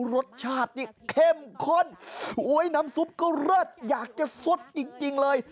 รสชาตินี่เข้มข้นสวยน้ำซุปก็เลิศอยากจะสดจริงเลย